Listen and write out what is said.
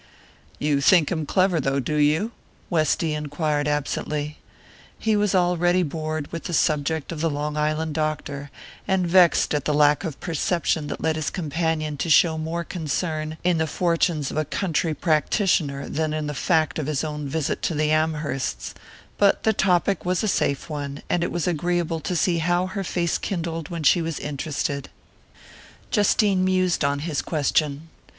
"You think him clever though, do you?" Westy enquired absently. He was already bored with the subject of the Long Island doctor, and vexed at the lack of perception that led his companion to show more concern in the fortunes of a country practitioner than in the fact of his own visit to the Amhersts; but the topic was a safe one, and it was agreeable to see how her face kindled when she was interested. Justine mused on his question.